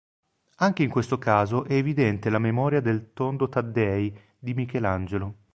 Anche in questo caso è evidente la memoria del "Tondo Taddei" di Michelangelo.